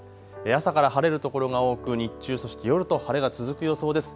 朝から晴れる所が多く日中そして夜と晴れが続く予想です。